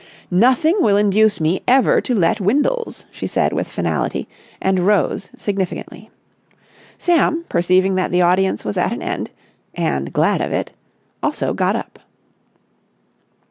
"Nothing will induce me ever to let Windles," she said with finality, and rose significantly. Sam, perceiving that the audience was at an end—and glad of it—also got up.